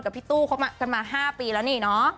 กับพี่ตู้เขาก็มา๕ปีแล้วเนี่ยเนาะ